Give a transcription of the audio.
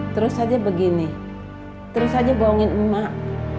terus saja begini terus saja bohongin emak